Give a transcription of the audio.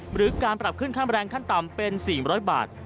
หรือการปรับขึ้นค่าแรงขั้นต่ำเป็น๔๐๐บาท